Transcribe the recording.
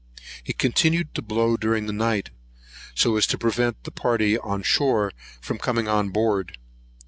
It continued to blow during the night, so as to prevent the party on shore from coming on board.